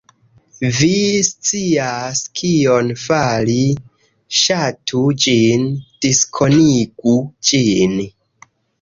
Vi scias kion fari - Ŝatu ĝin, diskonigu ĝin